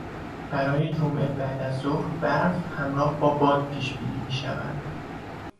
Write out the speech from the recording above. برای جمعه بعد از ظهر برف همراه با باد پیشبینی میشود.